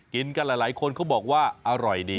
กินกันหลายคนเขาบอกว่าอร่อยดี